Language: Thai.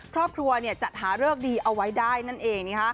ครอบครัวจัดหาเลิกดีเอาไว้ได้นั่นเอง